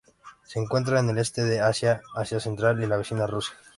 Se encuentra en el Este de Asia, Asia Central y la vecina Rusia.